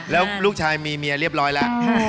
แล้วลูกชายมีเมียเรียบร้อยแล้ว